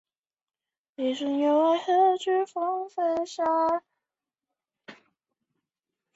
大圆颌针鱼为颌针鱼科圆颌针鱼属的鱼类。